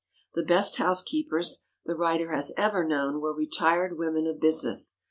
The best housekeepers the writer has ever known were retired women of business.